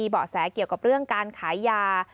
เบาะแสเกี่ยวกับเรื่องการขายยา